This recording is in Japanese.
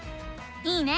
いいね！